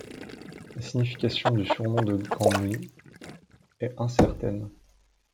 La signification du surnom de Gamli est incertaine.